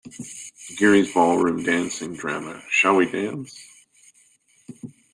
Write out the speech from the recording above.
Gere's ballroom dancing drama Shall We Dance?